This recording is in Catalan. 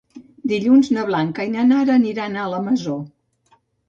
Dilluns na Blanca i na Nara aniran a la Masó.